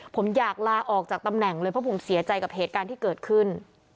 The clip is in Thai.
ผมอยากลาออกจากตำแหน่งเลยเพราะผมเสียใจกับเหตุการณ์ที่เกิดขึ้น